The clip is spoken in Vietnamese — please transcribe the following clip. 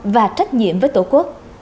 và trách nhiệm với tổ quốc